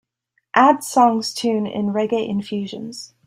add songs tune in Reggae Infusions